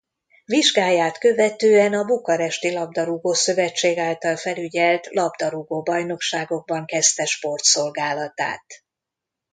Vizsgáját követően a Bukaresti Labdarúgó-szövetség által felügyelt labdarúgó bajnokságokban kezdte sportszolgálatát.